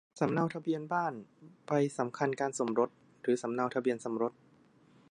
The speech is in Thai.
สำเนาทะเบียนบ้าน ใบสำคัญการสมรส หรือสำเนาทะเบียนสมรส